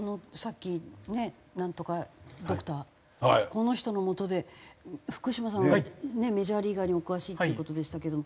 この人のもとで福島さんメジャーリーガーにお詳しいという事でしたけども。